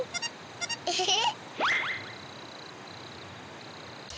エヘヘ！